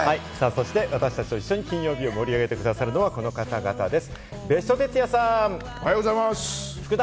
そして私たちと一緒に金曜日を盛り上げてくださるのはこの方々です。